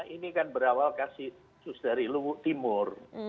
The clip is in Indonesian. ini kan berawal dari timur